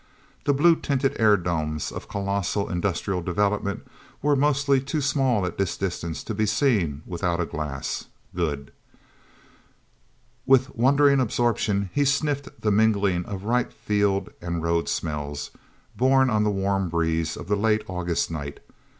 The blue tinted air domes of colossal industrial development, were mostly too small at this distance to be seen without a glass. Good... With wondering absorption he sniffed the mingling of ripe field and road smells, borne on the warm breeze of the late August night.